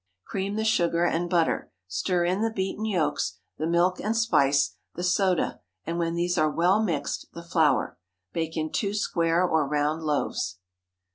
Cream the sugar and butter, stir in the beaten yolks, the milk and spice, the soda, and when these are well mixed, the flour. Bake in two square or round loaves.